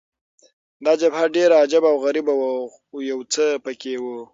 دا جبهه ډېره عجبه او غریبه وه، خو یو څه په کې وو.